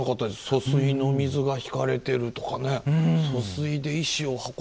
疏水の水が引かれてるとかね疏水で石を運んではった。